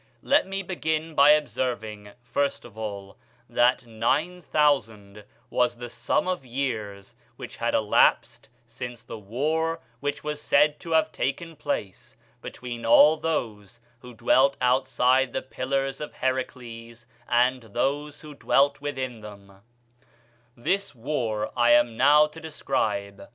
"Let me begin by observing, first of all, that nine thousand was the sum of years which had elapsed since the war which was said to have taken place between all those who dwelt outside the Pillars of Heracles and those who dwelt within them: this war I am now to describe.